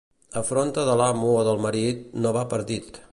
Afronta de l'amo o del marit, no va per dit.